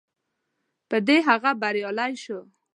په دې هغه بریالی شو.